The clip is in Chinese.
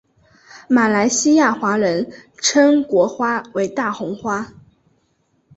马来西亚华人称国花为大红花。